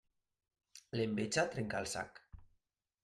L'enveja trenca el sac.